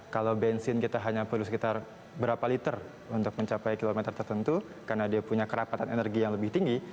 kalau bensin kita hanya perlu sekitar berapa liter untuk mencapai kilometer tertentu karena dia punya kerapatan energi yang lebih tinggi